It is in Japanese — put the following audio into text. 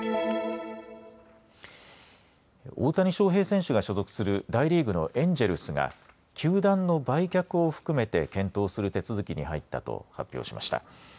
大谷翔平選手が所属する大リーグのエンジェルスが球団の売却を含めて検討する手続きに入ったと発表しました。